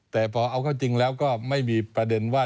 แต่พอเอาเข้าจริงแล้วก็ไม่มีประเด็นว่า